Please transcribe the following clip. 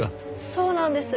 そうなんです。